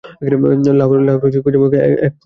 লাউয়ের খোসার মুখোরোচক এক পদ হলো টিকিয়া।